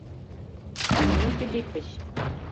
— Семён Филиппыч!